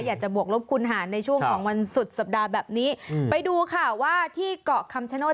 อยากจะบวกลบคุณหารในช่วงของวันสุดสัปดาห์แบบนี้ไปดูค่ะว่าที่เกาะคำชโนธ